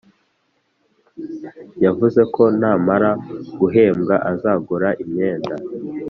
yavuze ko namara guhembwa azagura imyenda